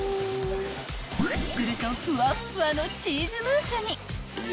［するとふわっふわのチーズムースに］